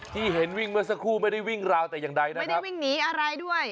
ที่เห็นวิ่งเมื่อสักครู่ไม่ได้วิ่งราวแต่อย่างใดนะไม่ได้วิ่งหนีอะไรด้วย